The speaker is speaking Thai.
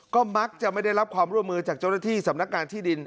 ก็มักจะไม่ได้รับความร่วมมือจากเจ้าหน้าที่สำนักงานที่ดิน